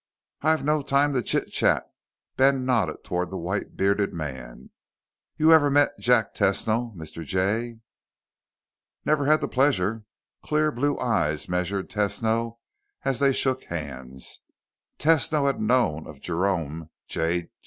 "I've no time to chit chat." Ben nodded toward the white bearded man. "You ever met Jack Tesno, Mr. Jay?" "Never had the pleasure." Clear blue eyes measured Tesno as they shook hands. Tesno had known of Jerome J.